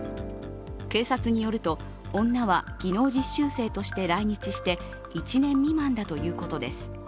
警察によると、女は技能実習生として来日して１年未満だということです。